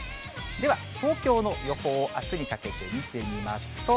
では東京の予報をあすにかけて見てみますと。